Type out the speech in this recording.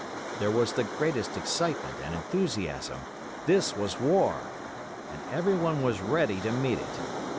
There was the greatest excitement and enthusiasm. This was war! And everyone was ready to meet it.